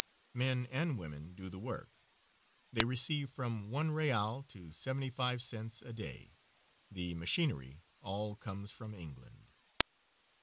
Men and women do the work. They receive from one real to seventy five cents a day. The machinery all comes from England.